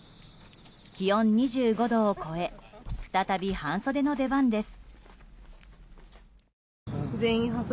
気温２５度を超え再び半袖の出番です。